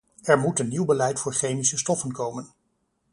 Er moet een nieuw beleid voor chemische stoffen komen.